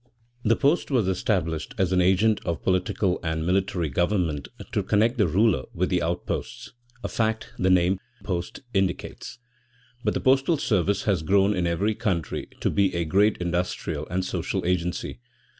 The post was established as an agent of political and military government to connect the ruler with the outposts (a fact the name post indicates), but the postal service has grown in every country to be a great industrial and social agency.